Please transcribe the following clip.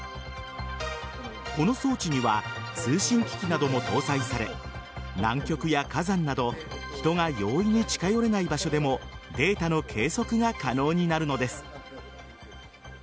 この装置には通信機器なども搭載され南極や火山など人が容易に近寄れない場所でもデータの計測が可能になるのです。